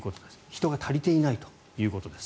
人が足りていないということです。